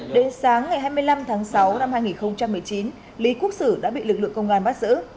đến sáng ngày hai mươi năm tháng sáu năm hai nghìn một mươi chín lý quốc sử đã bị lực lượng công an bắt giữ